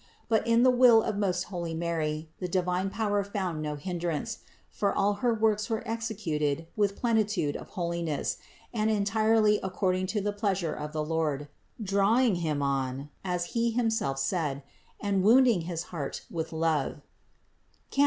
But in the will of most holy Mary the divine power found no hindrance, for all her works were executed with plenitude of holi ness and entirely according to the pleasure of the Lord, drawing Him on, as He himself said, and wounding his heart with love (Cant.